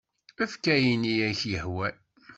Efk ayen i ak-yehwan.